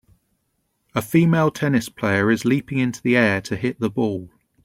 A female tennis player is leaping into the air to hit the ball.